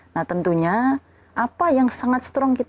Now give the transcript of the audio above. nah tentunya apa yang sangat strong kita